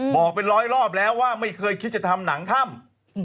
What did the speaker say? บอกเป็นร้อยรอบแล้วว่าไม่เคยคิดจะทำหนังถ้ำ